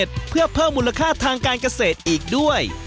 อื้มมันง่าย